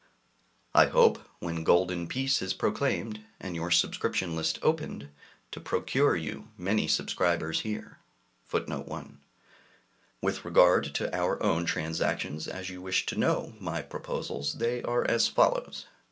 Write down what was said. I hope when golden peace is proclaimed, and your subscription list opened, to procure you many subscribers here. With regard to our own transactions, as you wish to know my proposals, they are as follows.